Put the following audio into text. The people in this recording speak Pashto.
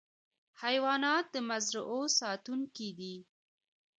حیوانات د مزرعو ساتونکي دي.